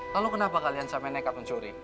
lalu kenapa kalian sampai nekat mencuri